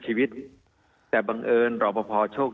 มีความรู้สึกว่ามีความรู้สึกว่า